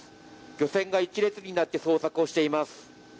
漁船が一列になって捜索しています。